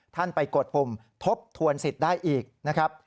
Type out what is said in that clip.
ท่านไปกดปุ่มทบทวนสิทธิ์ได้อีกนะครับ